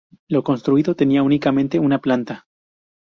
Lo construido tenía únicamente una planta.